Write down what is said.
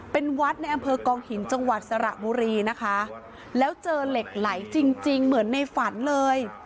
เป็นวัดในอำเภอกองหินจังหวัดสระบุรีนะคะแล้วเจอเหล็กไหลจริงจริงเหมือนในฝันเลย